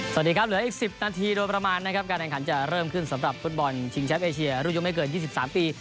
สวัสดีครับเหลืออีก๑๐นาทีโดยประมาณนะครับการแข่งขันจะเริ่มขึ้นสำหรับฟุตบอลชิงแชมป์เอเชียรุ่นยุไม่เกิน๒๓ปี